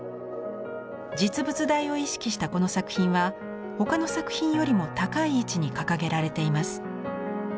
実物大を意識したこの作品は他の作品よりも高い位置に掲げられています。